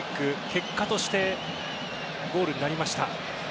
結果としてゴールになりました。